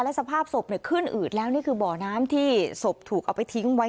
สภาพศพขึ้นอืดแล้วนี่คือบ่อน้ำที่ศพถูกเอาไปทิ้งไว้